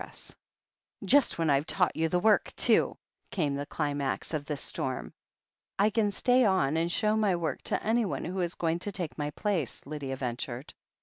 THE HEEL OF ACHILLES 253 "Just when I've taught you the work, too!'' came the climax of this storm. "I can stay on and show my work to anyone who is going to take my place," Lydia ventured.